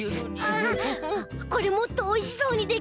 あっこれもっとおいしそうにできるかも！